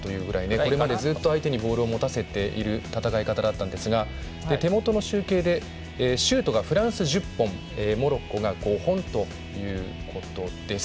これまで、ずっと相手にボールを持たせている戦い方だったんですが手元の集計でシュートがフランス１０本モロッコが５本ということです。